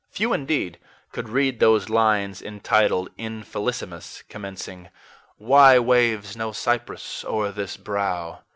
Few indeed could read those lines entitled "Infelissimus," commencing "Why waves no cypress o'er this brow?"